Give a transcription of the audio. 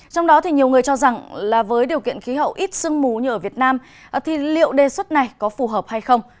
trong đó thì nhiều người cho rằng là với điều kiện khí hậu ít sưng mú như ở việt nam thì liệu đề xuất này có phù hợp hay không